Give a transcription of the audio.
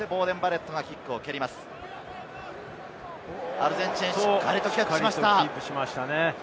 アルゼンチン、しっかりキャッチしました。